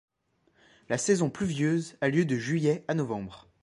La saison pluvieuse a lieu de juillet à novembre.